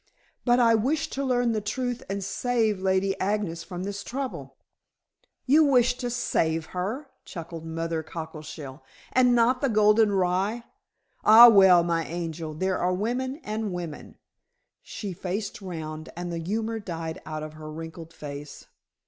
"But I wish to learn the truth and save Lady Agnes from this trouble." "You wish to save her?" chuckled Mother Cockleshell. "And not the golden rye? Ah well, my angel, there are women, and women." She faced round, and the humor died out of her wrinkled face.